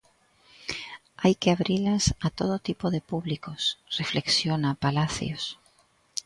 Hai que abrilas a todo tipo de públicos, reflexiona Palacios.